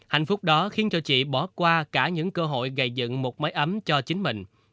hạnh phúc đó khiến cho chị bỏ qua cả những cơ hội gây dựng một máy ấm cho chính mình